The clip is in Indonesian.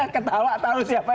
ketawa atau siapa